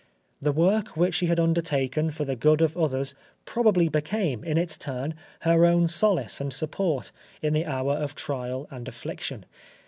The work which she had undertaken for the good of others probably became, in its turn, her own solace and support in the hour of trial and affliction.